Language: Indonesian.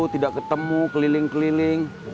tidak ketemu keliling keliling